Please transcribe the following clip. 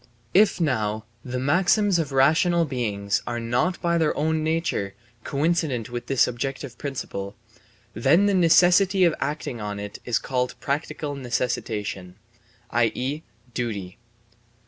If now the maxims of rational beings are not by their own nature coincident with this objective principle, then the necessity of acting on it is called practical necessitation, i.e., duty.